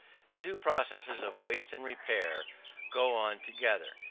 The two processes of waste and repair go on together.